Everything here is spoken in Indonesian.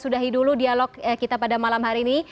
sudahi dulu dialog kita pada malam hari ini